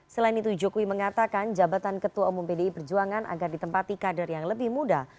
selain itu jokowi mengatakan jabatan ketua umum pdi perjuangan agar ditempati kader yang lebih muda